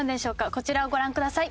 こちらをご覧ください。